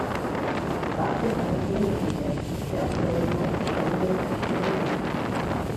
Basketball-Bundesliga, der aus Delmenhorst stammende Christian Welp.